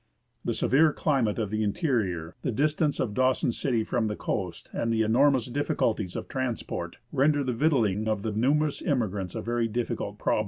The severe climate of the interior, the dis tance of Dawson City from the coast, and the enormous difficulties of transport, render the victualling of the numerous immigrants a very difficult problem.